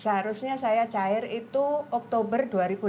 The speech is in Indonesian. seharusnya saya cair itu oktober dua ribu lima belas